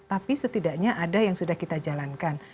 tapi setidaknya ada yang sudah kita jalankan